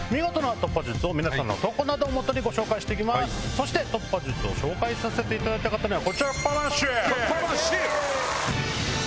そして突破術を紹介させていただいた方には。